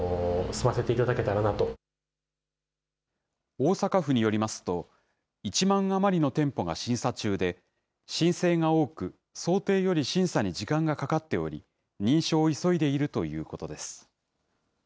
大阪府によりますと、１万余りの店舗が審査中で、申請が多く、想定より審査に時間がかかっており、認証を急いでいるということです。